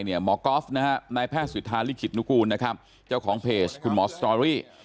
หมอกอล์ฟนายแพทย์สุดทานลิขิตนุกรูลเจ้าของเพชรคุณหมอสตรอรี่